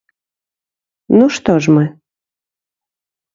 Ну што ж мы?